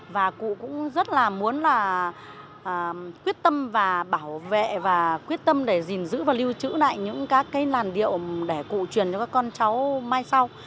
và cụ cũng rất là muốn là quyết tâm và bảo vệ và quyết tâm để gìn giữ và lưu trữ lại những các cái làn điệu để cụ truyền cho các con cháu mai sau